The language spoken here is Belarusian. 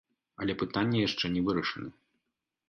Але пытанне яшчэ не вырашана.